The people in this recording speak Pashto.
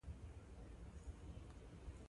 خو که د دې وطن شینوالی او ښایست وګوري نو څه به وايي.